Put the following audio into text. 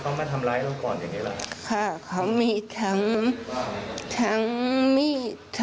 เนี๊ยะนะคะแล้วเขามาทำร้ายเราก่อนอย่างเงี้ยอะค่ะ